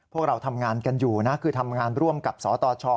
พวกเราทำงานกันอยู่นะคือทำงานร่วมกับสตช